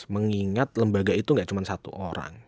mengingat lembaga itu gak cuma satu orang